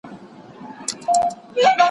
آزادۍ غوښتونکي دي.